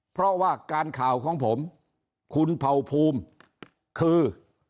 เพราะว่าการข่าวของผมคุณเผ่าภูมิคือ